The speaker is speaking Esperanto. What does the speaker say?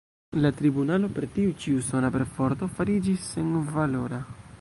La tribunalo per tiu ĉi usona perforto fariĝis senvalora.